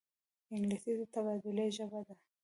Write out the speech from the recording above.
انګلیسي د تبادلې ژبه ده